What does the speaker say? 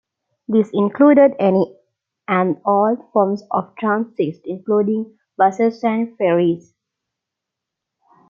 This included any and all forms of transit, including buses and ferries.